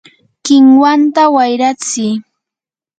¡kinwata wayratsiy!